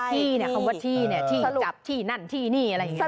ที่เนี่ยคำว่าที่เนี่ยที่จับที่นั่นที่นี่อะไรอย่างนี้